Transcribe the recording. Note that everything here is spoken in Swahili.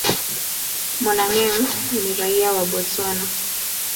Monageng ni raia wa Botswana.